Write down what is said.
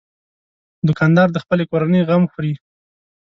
دوکاندار د خپلې کورنۍ غم خوري.